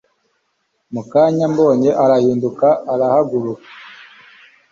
Mu kanya ambonye arahinduka arahunga